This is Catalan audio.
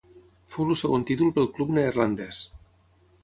Fou el segon títol pel club neerlandès.